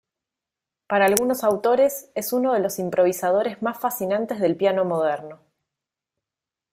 Para algunos autores, es uno de los "improvisadores más fascinantes del piano moderno".